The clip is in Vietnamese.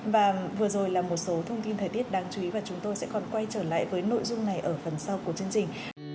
và vừa rồi là một số thông tin thời tiết đáng chú ý và chúng tôi sẽ còn quay trở lại với nội dung này ở phần sau của chương trình